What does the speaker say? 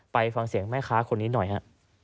ไปฟังเสียงแม่ค้าคนนี้หน่อยฮะ